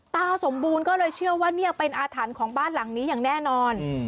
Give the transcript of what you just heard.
ตาสมบูรณ์ก็เลยเชื่อว่าเนี่ยเป็นอาถรรพ์ของบ้านหลังนี้อย่างแน่นอน